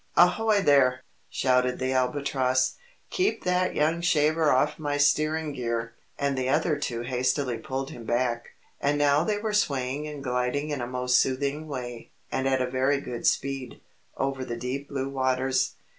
"Ahoy, there!" shouted the Albatross, "keep that young shaver off my steering gear!" And the other two hastily pulled him back. And now they were swaying and gliding in a most soothing way, and at a very good speed, over the deep blue waters.